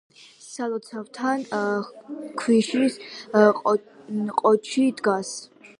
სალოცავთან ქვიშ ყოჩი დგას.